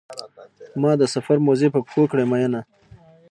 ما د سفر موزې په پښو کړې مینه.